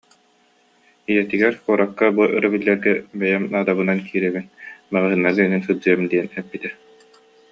Ийэтигэр куоракка бу өрөбүллэргэ бэйэм наадабынан киирэбин, маҕаһыыннарга эҥин сылдьыам диэн эппитэ